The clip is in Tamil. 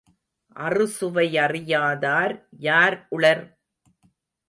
அறு சுவையறியாதார் யார் உளர்?